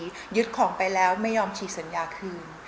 หรือไอ้หนังที่ยึดของไปแล้วไม่ยอมฉีดสัญญาคืน